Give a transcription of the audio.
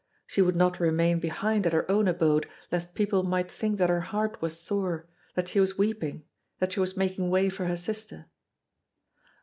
She would not remain behind at her own abode lest people might think that her heart was sore, that she was weeping, that she was making way for her sister.